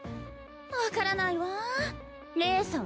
分からないわレイさん